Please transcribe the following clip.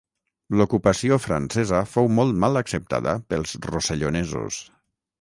L'ocupació francesa fou molt mal acceptada pels rossellonesos.